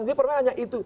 jadi permainannya itu